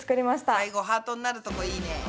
最後ハートになるとこいいね。